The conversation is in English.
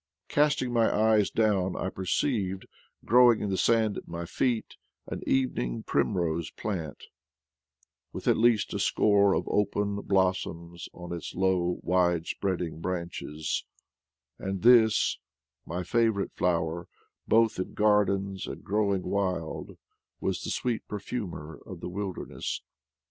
Casting my eyes down I perceived, growing in the sand at my feet, an evening primrose plant, with at least a score of open blossoms on its low wide spreading branches; and this, my favorite flower, both in gardens and growing wild, was the sweet perfumer of the wilderness!